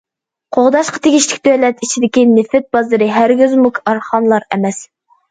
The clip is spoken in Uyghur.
قوغداشقا تېگىشلىكى دۆلەت ئىچىدىكى نېفىت بازىرى، ھەرگىزمۇ كارخانىلار ئەمەس.